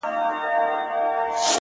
• نن سبا به نه یم زمانې راپسی مه ګوره -